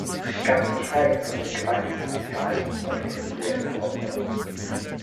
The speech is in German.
Ganz zu schweigen von den gewaltigen sozialen und industriellen Herausforderungen.